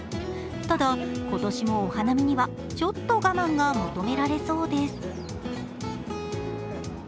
ただ、今年もお花見には、ちょっと我慢が求められそうです。